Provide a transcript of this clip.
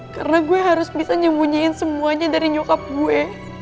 karena gue harus bisa nyembunyiin semuanya dari nyokap gue